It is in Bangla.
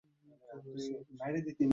কে মেরেছে ওদের?